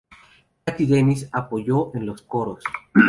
Cathy Dennis apoyó en los coros.